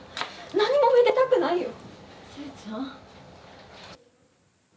何もめでたくないよ！